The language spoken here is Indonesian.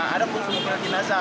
ada pun mobil jenazah